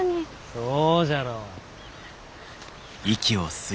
そうじゃろ。